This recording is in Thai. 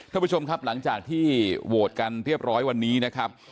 ท่านผู้ชมครับหลังจากที่โหวตกันเรียบร้อยวันนี้นะครับ